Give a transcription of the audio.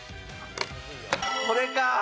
これかあ！